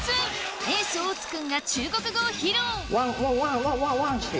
エース、大津君が中国語を披露。